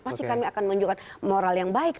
pasti kami akan menunjukkan moral yang baik